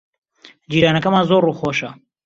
جیرانەکەمان زۆر ڕووخۆشە.